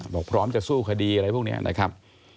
บอกพร้อมจะสู้คดีอะไรพวกนี้นะครับ